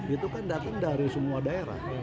itu kan datang dari semua daerah